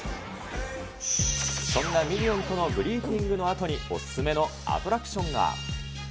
そんなミニオンとのグリーティングのあとに、お勧めのアトラクションが。